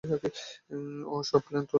ওহ, সব প্ল্যান তো নষ্ট হয়ে যাবে।